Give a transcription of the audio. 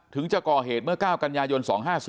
จะก่อเหตุเมื่อ๙กันยายน๒๕๔